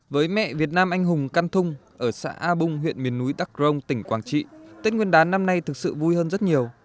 với mẹ việt nam anh hùng căn thung ở xã a bung huyện miền núi đắc rông tỉnh quảng trị tết nguyên đán năm nay thực sự vui hơn rất nhiều